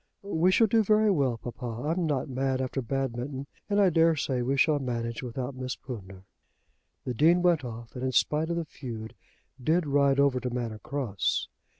"We shall do very well, papa. I'm not mad after Badminton, and I dare say we shall manage without Miss Pountner." The Dean went off, and in spite of the feud did ride over to Manor Cross.